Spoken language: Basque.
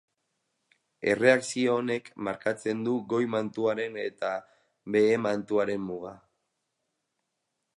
Erreakzio honek markatzen du goi-mantuaren eta behe-mantuaren muga.